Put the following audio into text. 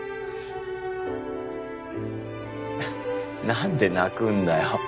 なんで泣くんだよ？